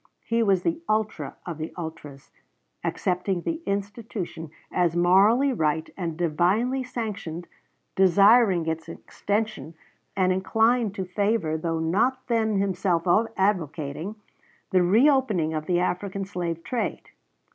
He was the ultra of the ultras, accepting the institution as morally right and divinely sanctioned, desiring its extension and inclined to favor, though not then himself advocating, the re opening of the African slave trade.